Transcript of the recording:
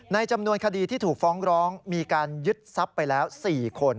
ในจำนวนคดีที่ถูกฟ้องร้องมีการยึดทรัพย์ไปแล้ว๔คน